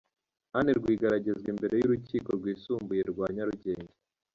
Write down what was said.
Anne Rwigara agezwa imbere y’urukiko rwisumbuye rwa Nyarugenge.